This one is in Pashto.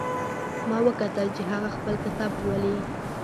ما وکتل چې هغه خپل کتاب لولي